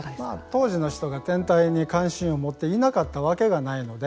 当時の人が天体に関心を持っていなかったわけがないので。